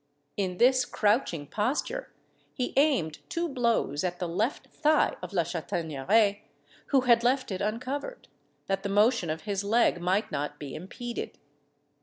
In this crouching posture he aimed two blows at the left thigh of La Chataigneraie, who had left it uncovered, that the motion of his leg might not be impeded.